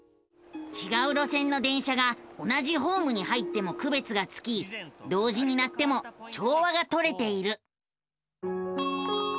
ちがう路線の電車が同じホームに入ってもくべつがつき同時に鳴っても調和がとれている。